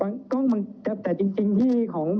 เรามีการปิดบันทึกจับกลุ่มเขาหรือหลังเกิดเหตุแล้วเนี่ย